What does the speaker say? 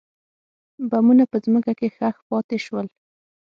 بمونه په ځمکه کې ښخ پاتې شول.